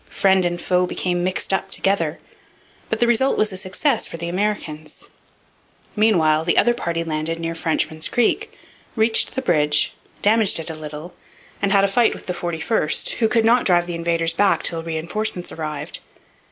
Friend and foe became mixed up together; but the result was a success for the Americans. Meanwhile, the other party landed near Frenchman's Creek, reached the bridge, damaged it a little, and had a fight with the 41st, who could not drive the invaders back till reinforcements arrived.